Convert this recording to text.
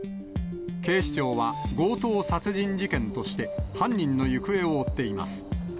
警視庁は強盗殺人事件として犯人の行方を追っています。